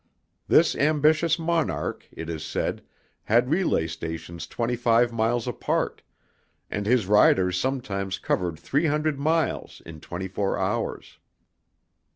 This ambitious monarch, it is said, had relay stations twenty five miles apart, and his riders sometimes covered three hundred miles in twenty four hours.